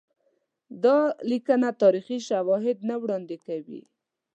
دا لیکنه تاریخي شواهد نه وړاندي کوي.